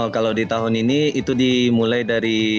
kalau di tahun ini itu dimulai dari